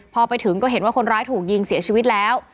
พอไปถึงก็เห็นว่าคนร้ายถูกยิงเสียชีวิตแล้ว